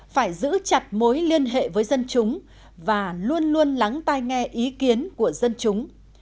phải giữ chặt mối liên hệ với dân chúng và luôn luôn lắng tai nghe ý kiến của dân chúng